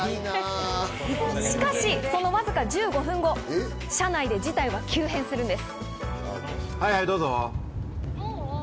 しかし、そのわずか１５分後、車内で事態は急変するんです。